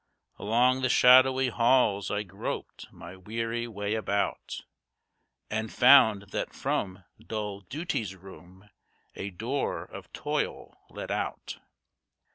Along the shadowy halls I groped my weary way about, And found that from dull Duty's room, a door of Toil led out.